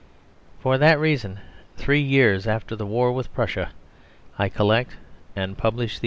For that reason, three years after the war with Prussia, I collect and publish these papers.